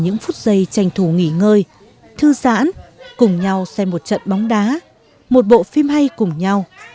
những phút giây tranh thủ nghỉ ngơi thư giãn cùng nhau xem một trận bóng đá một bộ phim hay cùng nhau